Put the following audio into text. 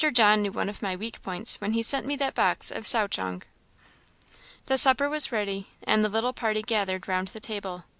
John knew one of my weak points when he sent me that box of souchong." The supper was ready, and the little party gathered round the table.